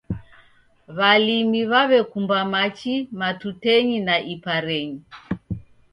W'alimi w'aw'ekumba machi matutenyi na iparenyi